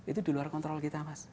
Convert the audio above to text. itu di luar kontrol kita mas